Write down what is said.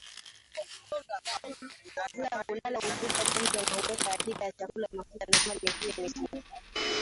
hula hulala hupiga gumzo na huweka akiba ya chakula mafuta na mali nyingine Mifugo